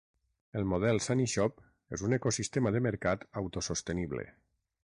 El model SaniShop és un ecosistema de mercat auto-sostenible.